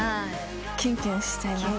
キュンキュンしちゃいます。